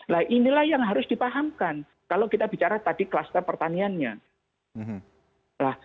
nah inilah yang harus dipahamkan kalau kita bicara tadi kluster pertaniannya